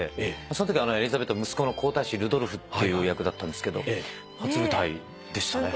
そんときはエリザベートの息子の皇太子ルドルフっていう役だったんですけど初舞台でしたね。